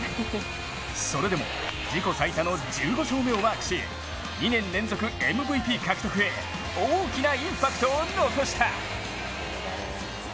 それでも自己最多の１５勝目をマークし、２年連続ＭＶＰ獲得へ大きなインパクトを残した。